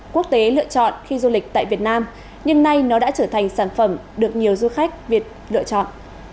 quốc tế lựa chọn khi du lịch tại việt nam nhưng nay nó đã trở thành sản phẩm được nhiều du khách việt lựa chọn